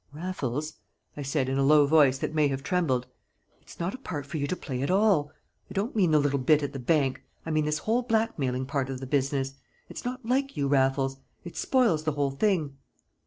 "Raffles," I said, in a low voice that may have trembled, "it's not a part for you to play at all! I don't mean the little bit at the bank. I mean this whole blackmailing part of the business. It's not like you, Raffles. It spoils the whole thing!"